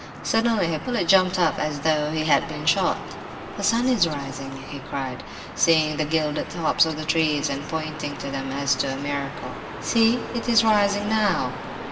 Suddenly Hippolyte jumped up as though he had been shot. "The sun is rising," he cried, seeing the gilded tops of the trees, and pointing to them as to a miracle. "See, it is rising now!"